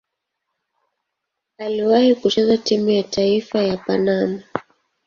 Aliwahi kucheza timu ya taifa ya Panama.